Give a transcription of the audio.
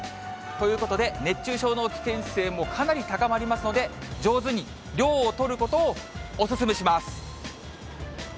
ということで、熱中症の危険性もかなり高まりますので、上手に涼をとることをお勧めします。